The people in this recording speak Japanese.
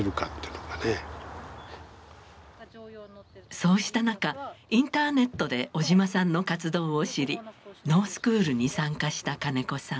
そうした中インターネットで小島さんの活動を知り農スクールに参加した金子さん。